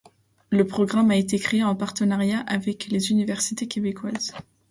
Le programme a été créé en partenariat avec les universités québécoises.